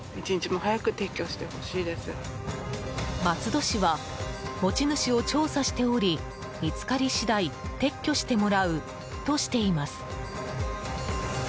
松戸市は持ち主を調査しており見つかり次第撤去してもらうとしています。